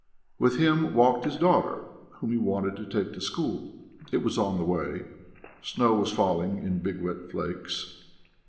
With him walked his daughter, whom he wanted to take to school: it was on the way. Snow was falling in big wet flakes.